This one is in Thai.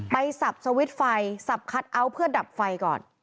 สับสวิตช์ไฟสับคัทเอาท์เพื่อดับไฟก่อน